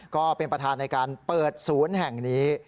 ก็เป็นประธานในการเปิดศูนย์แห่งนี้